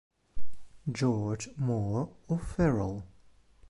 George More O'Ferrall